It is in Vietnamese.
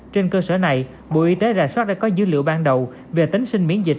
trên cơ sở này bộ y tế rà soát đã có dữ liệu ban đầu về tính sinh miễn dịch